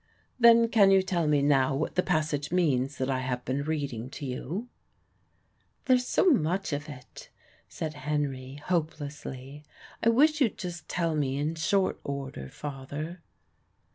"Then can you tell me now what the passage means that I have been reading to you?" "There's so much of it," said Henry, hopelessly, "I wish you'd just tell me in short order, father."